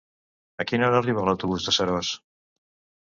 A quina hora arriba l'autobús de Seròs?